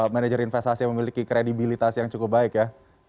manajer investasi yang memiliki kredibilitas yang cukup baik ya